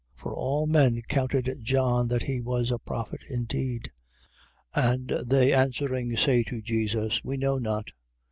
For all men counted John that he was a prophet indeed. 11:33. And they answering, say to Jesus: We know not.